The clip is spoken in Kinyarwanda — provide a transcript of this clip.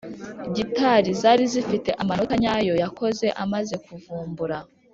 Gitari zari zifite amanota nyayo yakoze amaze kuvumbura